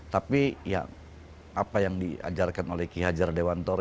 tapi apa yang diajarkan oleh ki hajar dewantor